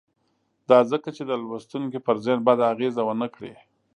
دا ځکه چې د لوستونکي پر ذهن بده اغېزه ونه کړي.